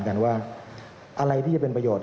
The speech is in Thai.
กันว่าอะไรที่จะเป็นประโยชน